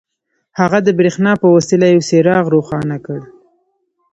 هغه د برېښنا په وسيله يو څراغ روښانه کړ.